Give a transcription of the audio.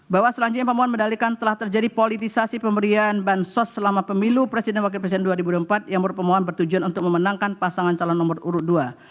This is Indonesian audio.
bahwa selanjutnya pemohon medalikan telah terjadi politisasi pemberian bansos selama pemilu presiden dan wakil presiden dua ribu dua puluh empat yang merupakan mohon bertujuan untuk memenangkan pasangan calon nomor urut dua